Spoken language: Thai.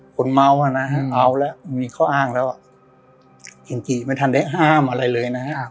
คนเมานะฮะเอาแล้วมีข้ออ้างแล้วอ่ะจริงจริงไม่ทันได้ห้ามอะไรเลยนะฮะ